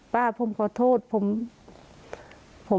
ป้าผมขอโทษผม